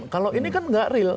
kalau ini kan nggak real